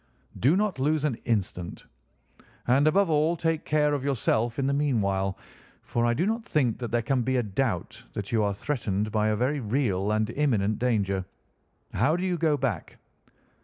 "Do not lose an instant. And, above all, take care of yourself in the meanwhile, for I do not think that there can be a doubt that you are threatened by a very real and imminent danger. How do you go back?"